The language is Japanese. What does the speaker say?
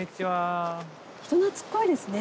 人懐っこいですね